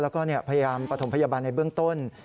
แล้วก็พยายามปฐมพยาบาลในเบื้องต้น